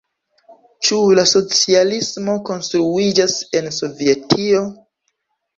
Ĉu socialismo konstruiĝas en Sovetio?